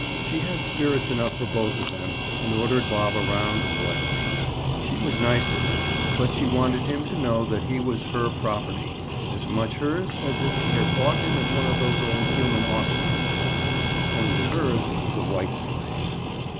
She had spirits enough for both of them and ordered Bob around royally. She was nice to him, but she wanted him to know that he was her property, as much hers as if she had bought him at one of those old human auction sales. Only hers was a white slave!